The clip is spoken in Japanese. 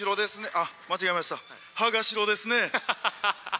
あっ、間違えました、歯が白です